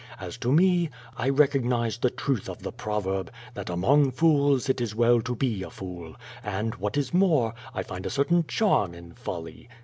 As to me, I recognize the truth of the proverb, that among fools it is well to be a fool, and, what is more, I find a certain charm in folly.